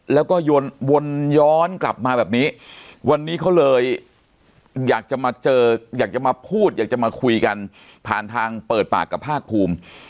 แล้วก็วนย้อนกลับมาแบบนี้วันนี้เขาเลยอยากจะมาเจออยากจะมาพูดอยากจะมาคุยกันผ่านทางเปิดปากกับภาคภูมิ